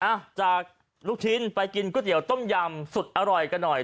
อ่ะจากลูกชิ้นไปกินก๋วยเตี๋ยวต้มยำสุดอร่อยกันหน่อย